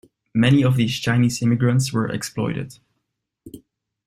Many of these Chinese immigrants were exploited.